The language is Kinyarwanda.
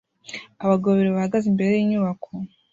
Abagabo babiri bahagaze imbere y'inyubako